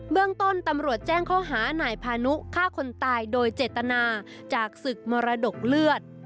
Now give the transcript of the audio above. เรื่องต้นตำรวจแจ้งข้อหานายพานุฆ่าคนตายโดยเจตนาจากศึกมรดกเลือด